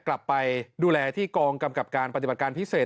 กลับไปดูแลที่กองกำกับการปฏิบัติการพิเศษ